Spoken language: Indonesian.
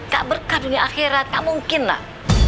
gak berkah dunia akhirat gak mungkin lah